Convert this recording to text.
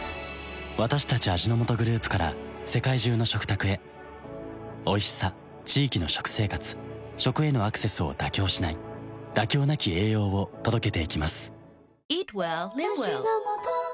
私たち味の素グループから世界中の食卓へおいしさ地域の食生活食へのアクセスを妥協しない「妥協なき栄養」を届けていきます